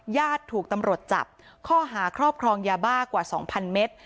ญาติถูกตำลดจับข้อหาครอบครองยาบ้ากว่าสองพันเมตร